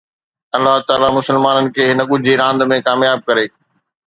الله تعاليٰ مسلمانن کي هن ڳجهي راند ۾ ڪامياب ڪري